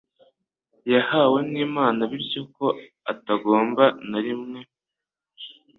yahawe n’Imana, bityo ko atagomba na rimwe